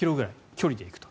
距離でいくと。